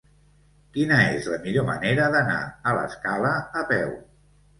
Quina és la millor manera d'anar a l'Escala a peu?